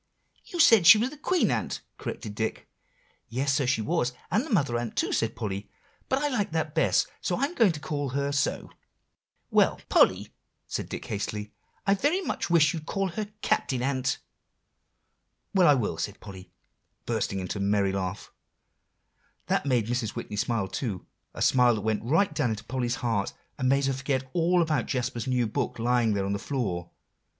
"You said she was the Queen Ant," corrected Dick. "Yes, so she was, and the Mother Ant too," said Polly; "but I like that best, so I'm going to call her so. Well" "Polly," said little Dick hastily, "I very much wish you'd call her Captain Ant." "Well, I will," said Polly, bursting into a merry laugh, that made Mrs. Whitney smile too, a smile that went right down into Polly's heart, and made her forget all about Jasper's new book lying there on the floor.